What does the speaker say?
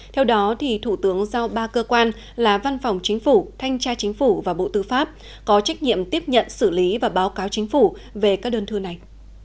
theo đó thủ tướng giao ba cơ quan là văn phòng chính phủ thanh tra chính phủ và bộ tư pháp có trách nhiệm tiếp nhận xử lý và báo cáo chính phủ về các đơn thư này